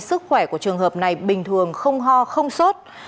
sức khỏe của trường hợp này bình thường không ho không sốt